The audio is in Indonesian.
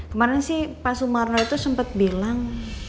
kemarin sih pak sumarno itu sempat bilang